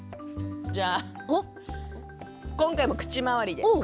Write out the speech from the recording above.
じゃあ、今回も口周りで。